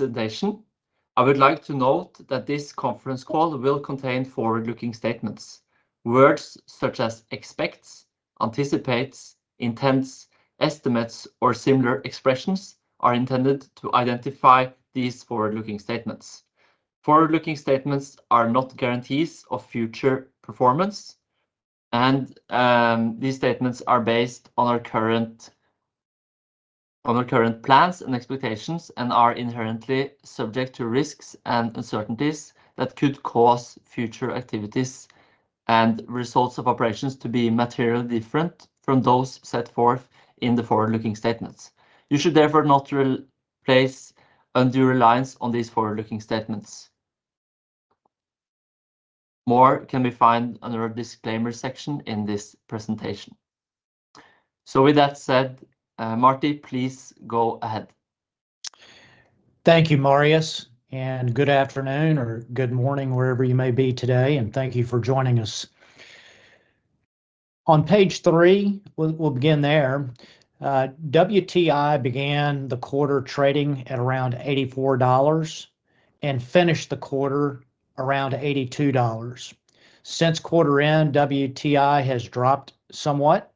presentation. I would like to note that this conference call will contain forward-looking statements. Words such as expects, anticipates, intends, estimates, or similar expressions are intended to identify these forward-looking statements. Forward-looking statements are not guarantees of future performance, and these statements are based on our current plans and expectations, and are inherently subject to risks and uncertainties that could cause future activities and results of operations to be materially different from those set forth in the forward-looking statements. You should therefore not place undue reliance on these forward-looking statements. More can be found under our Disclaimer section in this presentation. So with that said, Marty, please go ahead. Thank you, Marius, and good afternoon or good morning, wherever you may be today, and thank you for joining us. On page three, we'll begin there. WTI began the quarter trading at around $84 and finished the quarter around $82. Since quarter end, WTI has dropped somewhat.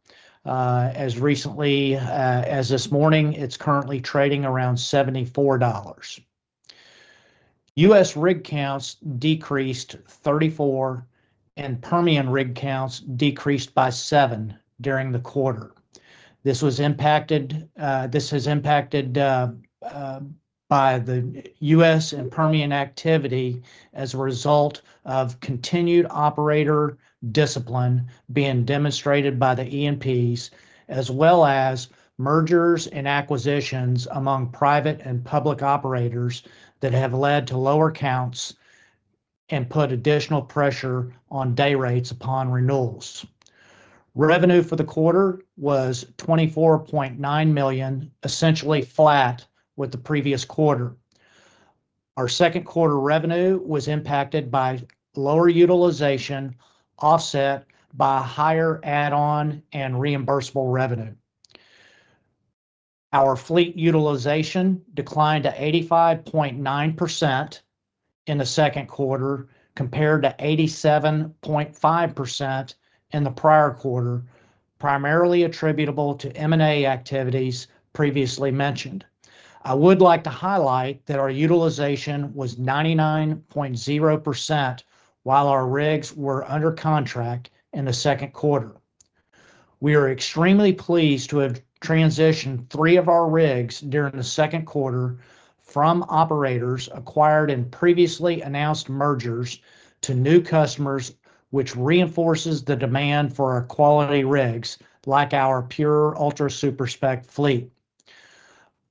As recently as this morning, it's currently trading around $74. U.S. rig counts decreased 34, and Permian rig counts decreased by 7 during the quarter. This is impacted by the U.S. and Permian activity as a result of continued operator discipline being demonstrated by the E&Ps, as well as mergers and acquisitions among private and public operators that have led to lower counts and put additional pressure on day rates upon renewals. Revenue for the quarter was $24.9 million, essentially flat with the previous quarter. Our second quarter revenue was impacted by lower utilization, offset by higher add-on and reimbursable revenue. Our fleet utilization declined to 85.9% in the second quarter, compared to 87.5% in the prior quarter, primarily attributable to M&A activities previously mentioned. I would like to highlight that our utilization was 99.0%, while our rigs were under contract in the second quarter. We are extremely pleased to have transitioned three of our rigs during the second quarter from operators acquired in previously announced mergers to new customers, which reinforces the demand for our quality rigs, like our pure ultra-super spec fleet.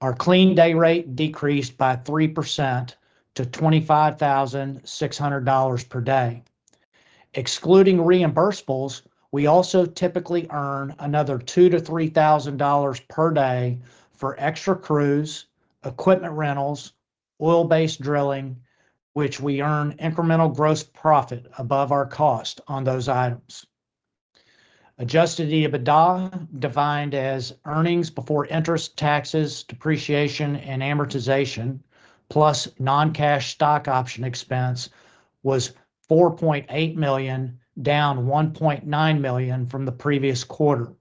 Our clean day rate decreased by 3% to $25,600 per day. Excluding reimbursables, we also typically earn another $2,000-$3,000 per day for extra crews, equipment rentals, oil-based drilling, which we earn incremental gross profit above our cost on those items. Adjusted EBITDA, defined as earnings before interest, taxes, depreciation, and amortization, plus non-cash stock option expense, was $4.8 million, down $1.9 million from the previous quarter.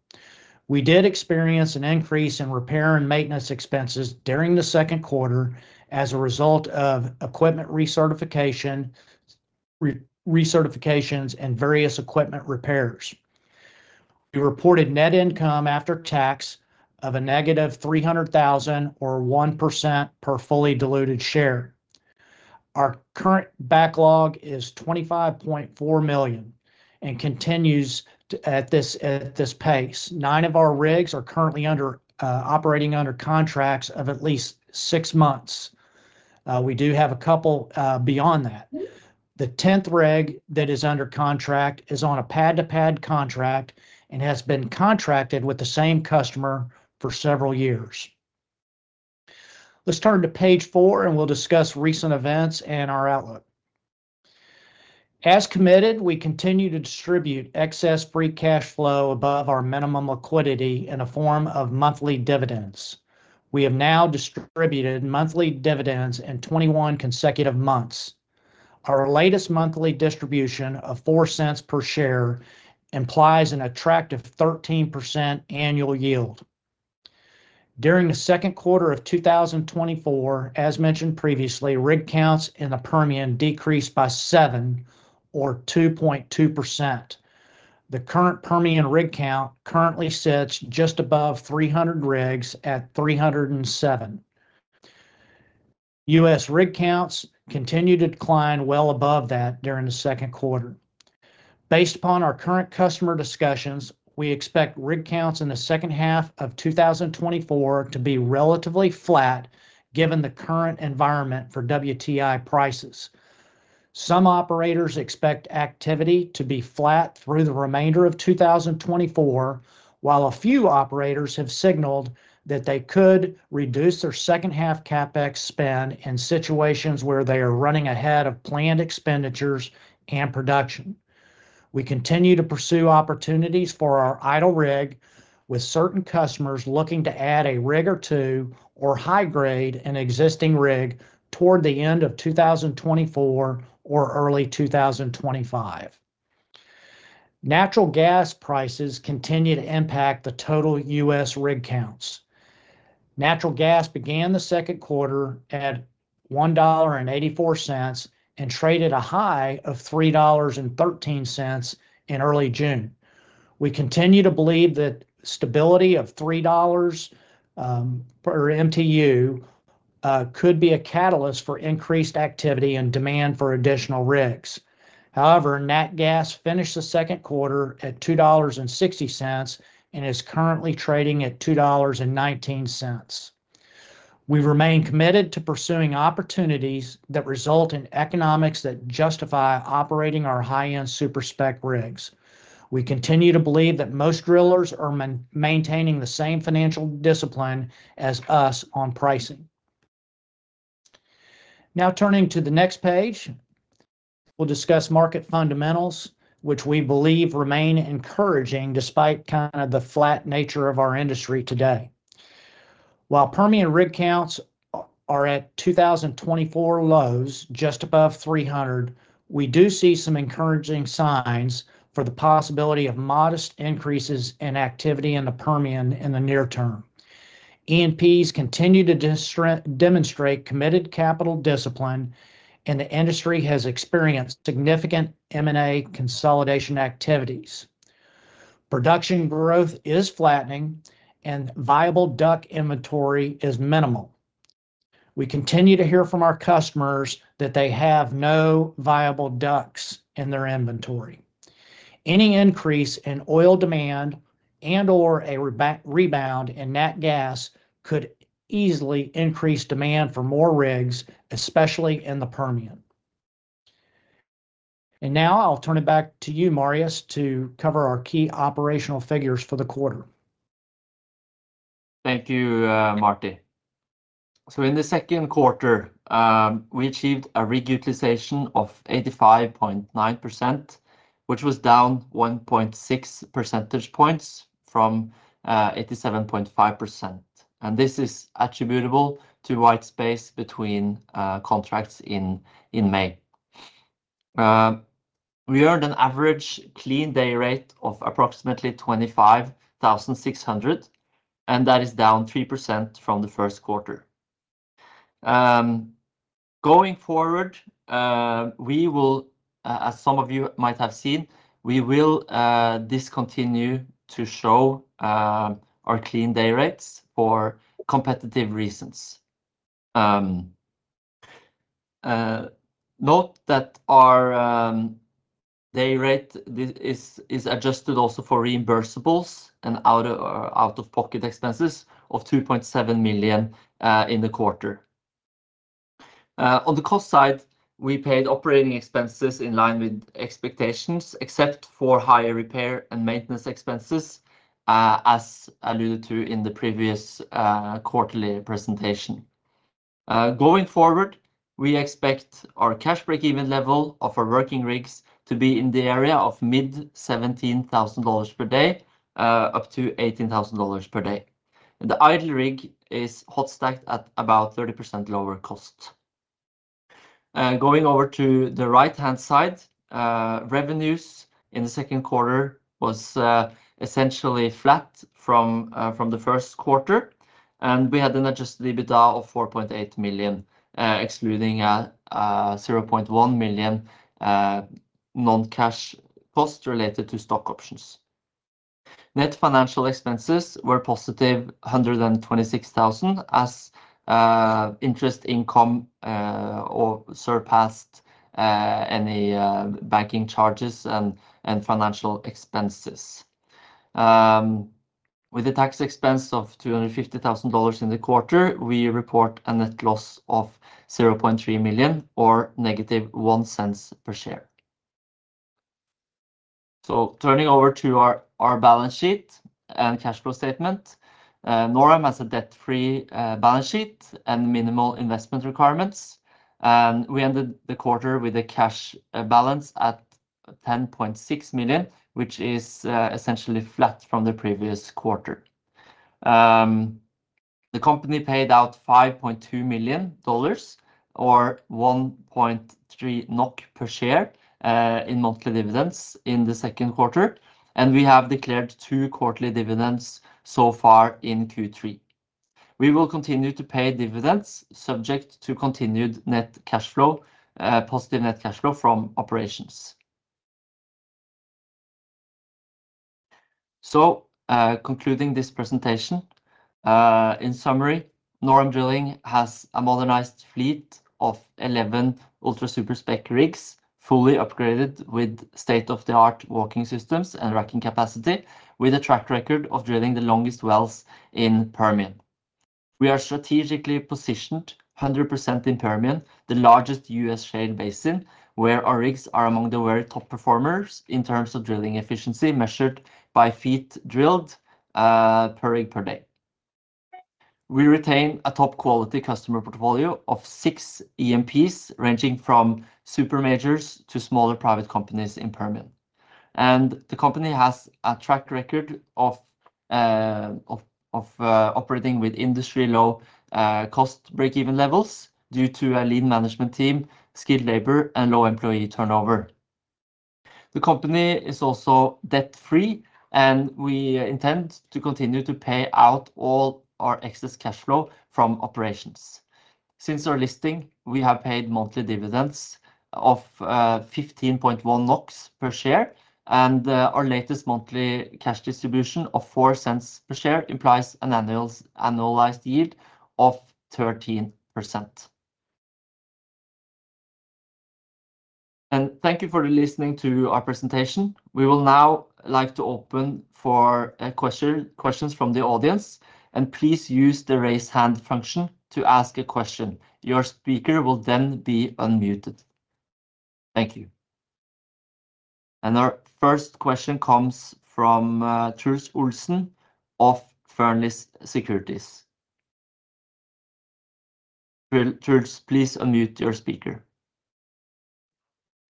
We did experience an increase in repair and maintenance expenses during the second quarter as a result of equipment recertification, recertifications, and various equipment repairs. We reported net income after tax of -$300,000 or 1% per fully diluted share. Our current backlog is $25.4 million and continues to at this pace. Nine of our rigs are currently under operating under contracts of at least six months. We do have a couple beyond that. The tenth rig that is under contract is on a pad-to-pad contract and has been contracted with the same customer for several years. Let's turn to page four, and we'll discuss recent events and our outlook. As committed, we continue to distribute excess free cash flow above our minimum liquidity in a form of monthly dividends. We have now distributed monthly dividends in 21 consecutive months. Our latest monthly distribution of $0.04 per share implies an attractive 13% annual yield. During the second quarter of 2024, as mentioned previously, rig counts in the Permian decreased by 7 or 2.2%. The current Permian rig count currently sits just above 300 rigs at 307. U.S. rig counts continued to decline well above that during the second quarter. Based upon our current customer discussions, we expect rig counts in the second half of 2024 to be relatively flat, given the current environment for WTI prices. Some operators expect activity to be flat through the remainder of 2024, while a few operators have signaled that they could reduce their second half CapEx spend in situations where they are running ahead of planned expenditures and production.... We continue to pursue opportunities for our idle rig, with certain customers looking to add a rig or two, or high-grade an existing rig toward the end of 2024 or early 2025. Natural gas prices continue to impact the total U.S. rig counts. Natural gas began the second quarter at $1.84, and traded a high of $3.13 in early June. We continue to believe that stability of $3 per MMBtu could be a catalyst for increased activity and demand for additional rigs. However, nat gas finished the second quarter at $2.60, and is currently trading at $2.19. We remain committed to pursuing opportunities that result in economics that justify operating our high-end super spec rigs. We continue to believe that most drillers are maintaining the same financial discipline as us on pricing. Now, turning to the next page, we'll discuss market fundamentals, which we believe remain encouraging despite kind of the flat nature of our industry today. While Permian rig counts are at 2024 lows, just above 300, we do see some encouraging signs for the possibility of modest increases in activity in the Permian in the near term. E&Ps continue to demonstrate committed capital discipline, and the industry has experienced significant M&A consolidation activities. Production growth is flattening, and viable DUC inventory is minimal. We continue to hear from our customers that they have no viable DUCs in their inventory. Any increase in oil demand and/or a rebound in nat gas could easily increase demand for more rigs, especially in the Permian. And now I'll turn it back to you, Marius, to cover our key operational figures for the quarter. Thank you, Marty. So in the second quarter, we achieved a rig utilization of 85.9%, which was down 1.6 percentage points from 87.5%, and this is attributable to white space between contracts in May. We earned an average clean day rate of approximately $25,600, and that is down 3% from the first quarter. Going forward, we will, as some of you might have seen, we will discontinue to show our clean day rates for competitive reasons. Note that our day rate is adjusted also for reimbursables and out of pocket expenses of $2.7 million in the quarter. On the cost side, we paid operating expenses in line with expectations, except for higher repair and maintenance expenses, as alluded to in the previous quarterly presentation. Going forward, we expect our cash break-even level of our working rigs to be in the area of mid-$17,000 per day up to $18,000 per day. The idle rig is hot stacked at about 30% lower cost. Going over to the right-hand side, revenues in the second quarter was essentially flat from from the first quarter, and we had an adjusted EBITDA of $4.8 million, excluding zero point one million non-cash costs related to stock options. Net financial expenses were positive $126,000, as interest income or surpassed any banking charges and and financial expenses. With the tax expense of $250,000 in the quarter, we report a net loss of $0.3 million or -$0.01 per share. Turning over to our balance sheet and cash flow statement, NorAm has a debt-free balance sheet and minimal investment requirements. We ended the quarter with a cash balance at $10.6 million, which is essentially flat from the previous quarter. The company paid out $5.2 million or 1.3 NOK per share in monthly dividends in the second quarter, and we have declared two quarterly dividends so far in Q3. We will continue to pay dividends, subject to continued positive net cash flow from operations. Concluding this presentation, in summary, NorAm Drilling has a modernized fleet of 11 ultra-super spec rigs, fully upgraded with state-of-the-art walking systems and racking capacity, with a track record of drilling the longest wells in Permian. We are strategically positioned 100% in Permian, the largest U.S. shale basin, where our rigs are among the very top performers in terms of drilling efficiency, measured by feet drilled per rig per day. We retain a top-quality customer portfolio of 6 E&Ps, ranging from super majors to smaller private companies in Permian. The company has a track record of operating with industry-low cost break-even levels due to a lean management team, skilled labor, and low employee turnover. The company is also debt-free, and we intend to continue to pay out all our excess cash flow from operations. Since our listing, we have paid monthly dividends of 15.1 NOK per share, and our latest monthly cash distribution of $0.04 per share implies an annualized yield of 13%. Thank you for listening to our presentation. We will now like to open for questions from the audience, and please use the Raise Hand function to ask a question. Your speaker will then be unmuted. Thank you. Our first question comes from Truls Olsen of Fearnley Securities. Truls, please unmute your speaker.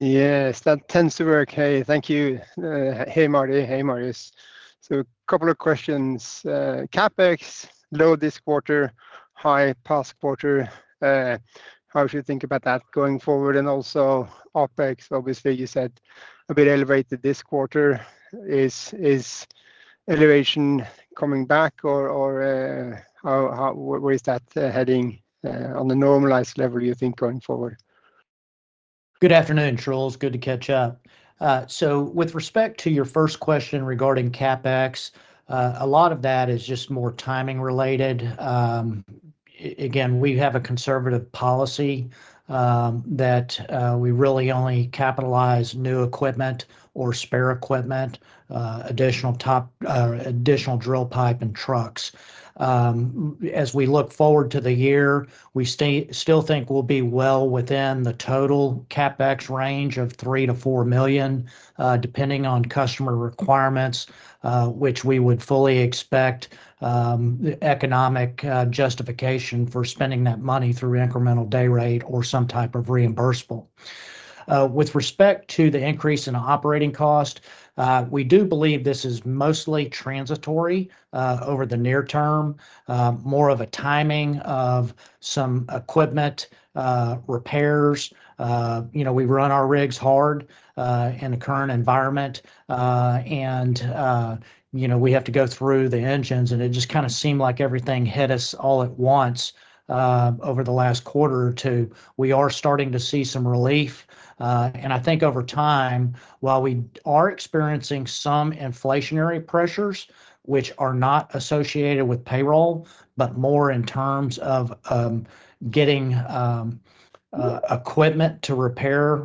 Yes, that tends to work. Hey, thank you. Hey, Marty. Hey, Marius. So a couple of questions. CapEx, low this quarter, high past quarter, how should we think about that going forward? And also OpEx, obviously, you said a bit elevated this quarter. Is elevation coming back or how where is that heading on the normalized level, do you think, going forward? Good afternoon, Truls. Good to catch up. So with respect to your first question regarding CapEx, a lot of that is just more timing related. Again, we have a conservative policy that we really only capitalize new equipment or spare equipment, additional top drive, additional drill pipe and trucks. As we look forward to the year, we still think we'll be well within the total CapEx range of $3 million-$4 million, depending on customer requirements, which we would fully expect the economic justification for spending that money through incremental day rate or some type of reimbursable. With respect to the increase in operating cost, we do believe this is mostly transitory over the near term. More of a timing of some equipment repairs. You know, we run our rigs hard in the current environment, and you know, we have to go through the engines, and it just kind of seemed like everything hit us all at once over the last quarter or two. We are starting to see some relief, and I think over time, while we are experiencing some inflationary pressures, which are not associated with payroll, but more in terms of getting equipment to repair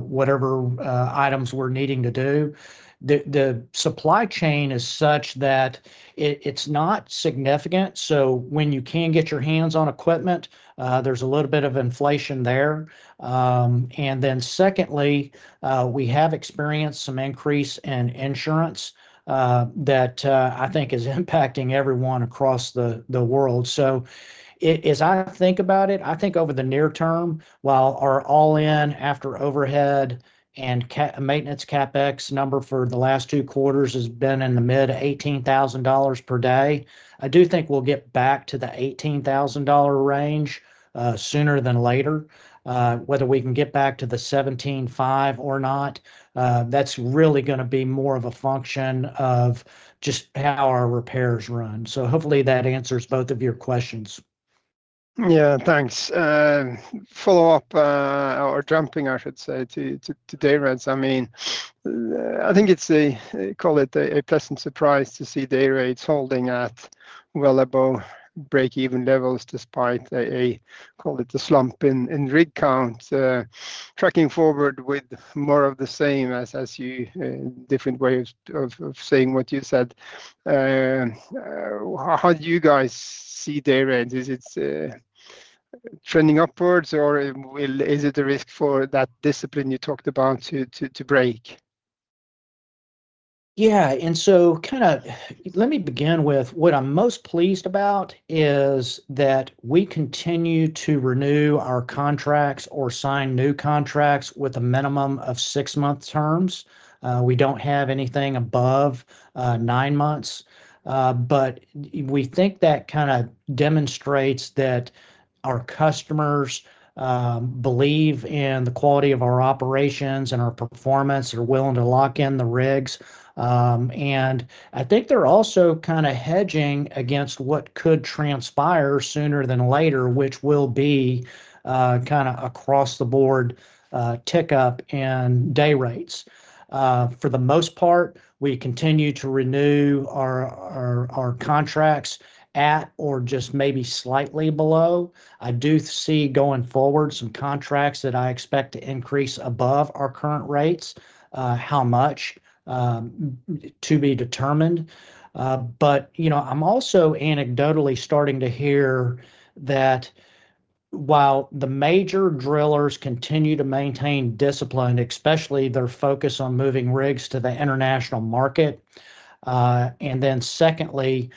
whatever items we're needing to do, the supply chain is such that it's not significant. So when you can get your hands on equipment, there's a little bit of inflation there, and then secondly, we have experienced some increase in insurance that I think is impacting everyone across the world. So as I think about it, I think over the near term, while our all-in after overhead and maintenance CapEx number for the last two quarters has been in the mid-$18,000 per day, I do think we'll get back to the $18,000 range sooner than later. Whether we can get back to the $17,500 or not, that's really gonna be more of a function of just how our repairs run. So hopefully that answers both of your questions. Yeah, thanks. Follow up, or jumping, I should say, to day rates. I mean, I think it's a call it a pleasant surprise to see day rates holding at well above break-even levels, despite a call it a slump in rig count. Tracking forward with more of the same as you different ways of saying what you said. How do you guys see day rates? Is it trending upwards or is it a risk for that discipline you talked about to break? Yeah, and so. Let me begin with what I'm most pleased about is that we continue to renew our contracts or sign new contracts with a minimum of six-month terms. We don't have anything above nine months, but we think that kind of demonstrates that our customers believe in the quality of our operations and our performance. They're willing to lock in the rigs, and I think they're also kind of hedging against what could transpire sooner than later, which will be a kind of across-the-board tick-up in day rates. For the most part, we continue to renew our contracts at or just maybe slightly below. I do see, going forward, some contracts that I expect to increase above our current rates. How much? To be determined. But you know, I'm also anecdotally starting to hear that while the major drillers continue to maintain discipline, especially their focus on moving rigs to the international market. And then secondly,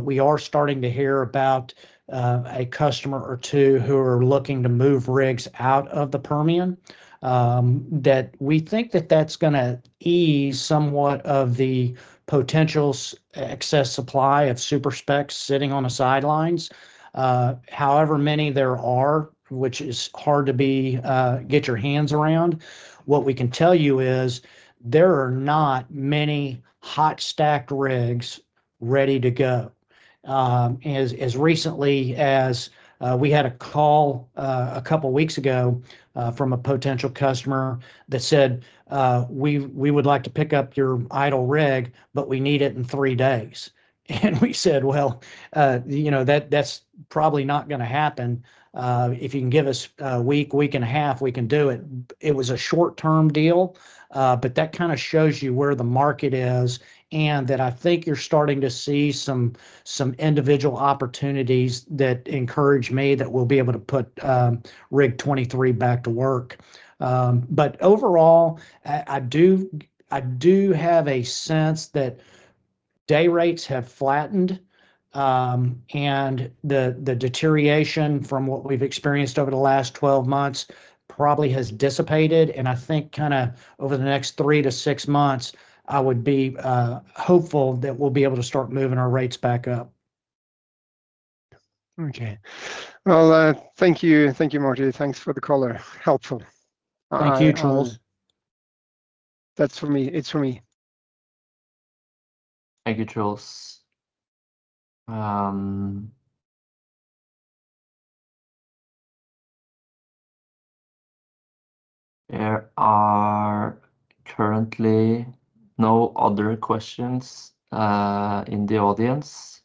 we are starting to hear about a customer or two who are looking to move rigs out of the Permian that we think that's gonna ease somewhat of the potential excess supply of super specs sitting on the sidelines. However many there are, which is hard to get your hands around. What we can tell you is there are not many hot stacked rigs ready to go. As recently as we had a call a couple weeks ago from a potential customer that said, "We would like to pick up your idle rig, but we need it in three days." And we said, "Well, you know, that's probably not gonna happen. If you can give us a week and a half, we can do it." It was a short-term deal, but that kinda shows you where the market is, and that I think you're starting to see some individual opportunities that encourage me that we'll be able to put Rig 23 back to work. But overall, I do have a sense that day rates have flattened, and the deterioration from what we've experienced over the last 12 months probably has dissipated, and I think kinda over the next three to six months, I would be hopeful that we'll be able to start moving our rates back up. Okay. Well, thank you. Thank you, Marty. Thanks for the call. Helpful. Thank you, Truls. That's from me. It's from me. Thank you, Truls. There are currently no other questions in the audience.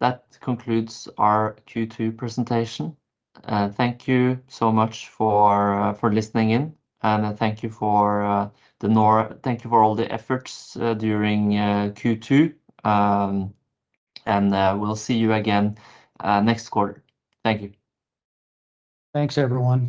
That concludes our Q2 Presentation. Thank you so much for listening in, and thank you for all the efforts during Q2. We'll see you again next quarter. Thank you. Thanks, everyone.